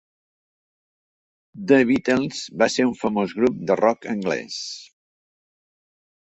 The Beatles va ser un famós grup de rock anglès.